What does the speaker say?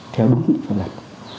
theo đúng mô hình của một phân trại